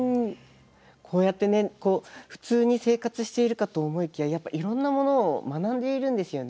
こうやってね普通に生活しているかと思いきやいろんなものを学んでいるんですよね子どもは。